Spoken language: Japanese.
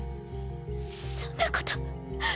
そんなこと。